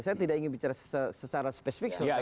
saya tidak ingin bicara secara spesifik soal tanah apang